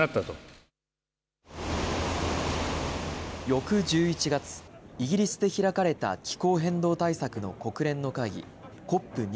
翌１１月、イギリスで開かれた気候変動対策の国連の会議、ＣＯＰ２６。